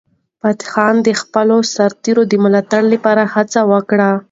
فتح خان د خپلو سرتیرو د ملاتړ لپاره هڅه وکړه.